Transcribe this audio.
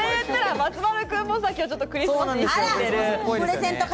松丸君も今日、ちょっとクリスマスっぽい。